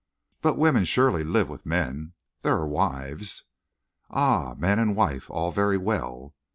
"But women surely live with men. There are wives " "Ah! Man and wife all very well!"